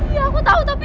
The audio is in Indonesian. iya aku tau tapi